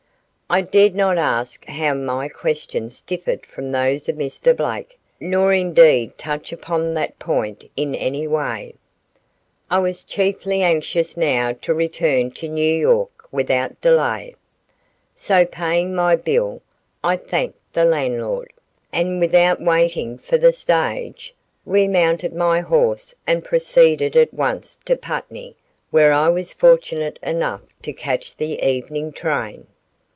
I dared not ask how my questions differed from those of Mr. Blake, nor indeed touch upon that point in any way. I was chiefly anxious now to return to New York without delay; so paying my bill I thanked the landlord, and without waiting for the stage, remounted my horse and proceeded at once to Putney where I was fortunate enough to catch the evening train.